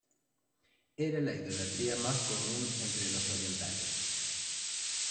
Era la idolatría más común entre los orientales.